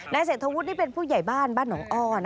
เศรษฐวุฒินี่เป็นผู้ใหญ่บ้านบ้านหนองอ้อ